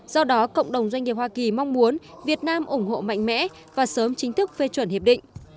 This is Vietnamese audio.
do đó cộng đồng doanh nghiệp hoa kỳ mong muốn việt nam ủng hộ mạnh mẽ và sớm chính thức phê chuẩn hiệp định